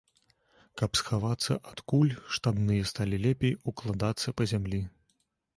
Каб схавацца ад куль, штабныя сталі лепей укладацца па зямлі.